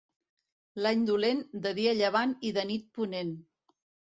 L'any dolent, de dia llevant i de nit ponent.